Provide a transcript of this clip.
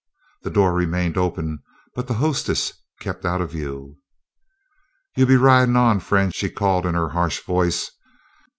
The door remained open, but the hostess kept out of view. "You be ridin' on, friend," she called in her harsh voice.